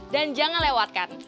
dan jangan lewatkan